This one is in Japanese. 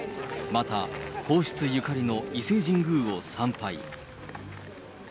また、皇室ゆかりの伊勢神宮を参拝。